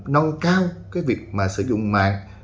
nông cao việc sử dụng mạng